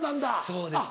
そうです。